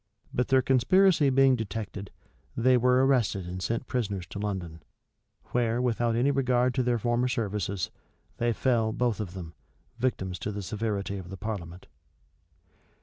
But their conspiracy being detected, they were arrested and sent prisoners to London; where, without any regard to their former services, they fell, both of them, victims to the severity of the parliament.